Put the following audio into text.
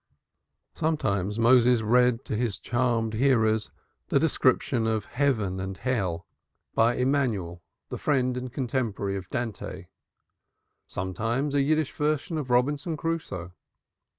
Sometimes Moses read to his charmed hearers the description of Heaven and Hell by Immanuel, the friend and contemporary of Dante, sometimes a jargon version of Robinson Crusoe.